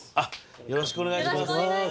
よろしくお願いします。